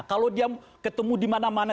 kalau dia ketemu dimana mana